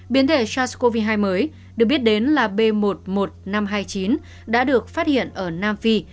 biến thể sars cov hai mới được biết đến là b một mươi một nghìn năm trăm hai mươi chín đã được phát hiện ở nam phi